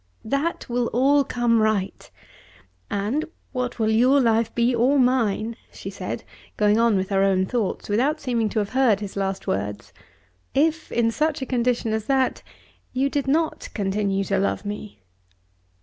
"That will all come right." "And what will your life be, or mine," she said, going on with her own thoughts without seeming to have heard his last words, "if in such a condition as that you did not continue to love me?"